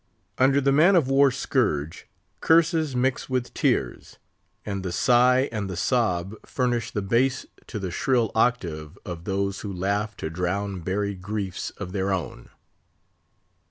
Under the man of war scourge, curses mix with tears; and the sigh and the sob furnish the bass to the shrill octave of those who laugh to drown buried griefs of their own.